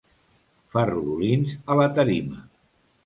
Fa rodolins a la tarima.